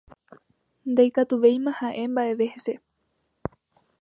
Ndaikatuvéima ha'e mba'eve hese.